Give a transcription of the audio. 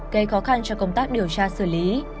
gây khó khăn cho công tác điều tra xử lý